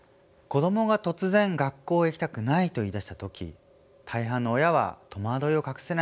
子どもが突然学校へ行きたくないと言いだした時大半の親は戸惑いを隠せないでしょう。